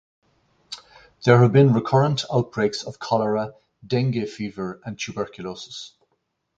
There have been recurrent outbreaks of cholera, dengue fever, and tuberculosis.